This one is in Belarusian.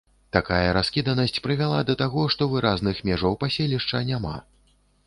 Такая раскіданасць прывяла да таго, што выразных межаў паселішча няма.